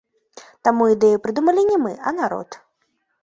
Таму ідэю прыдумалі не мы, а народ.